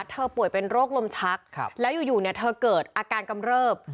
ป่วยเป็นโรคลมชักแล้วอยู่เนี่ยเธอเกิดอาการกำเริบ